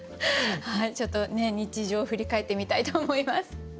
ちょっと日常を振り返ってみたいと思います。